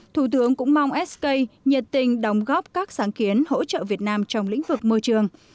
thủ tướng cũng mong sk nhiệt tình đồng góp các sáng kiến hỗ trợ việt nam trong lĩnh vực môi trường